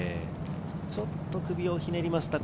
ちょっと首をひねりました。